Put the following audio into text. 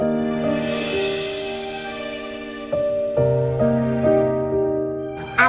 pak ma om baik dimana